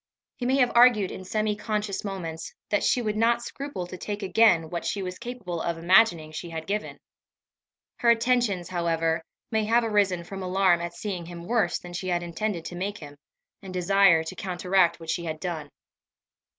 He may have argued in semi conscious moments, that she would not scruple to take again what she was capable of imagining she had given. Her attentions, however, may have arisen from alarm at seeing him worse than she had intended to make him, and desire to counteract what she had done.